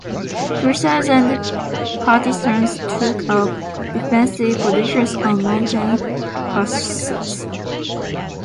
Two thousand partisans took up defensive positions on mountain passes.